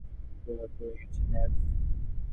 Flair ফুরিয়ে গেছে, ম্যাভ।